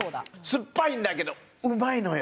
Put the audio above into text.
すっぱいんだけどうまいのよ。